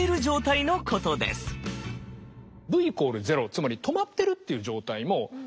ｖ＝０つまり止まってるっていう状態もｖ＝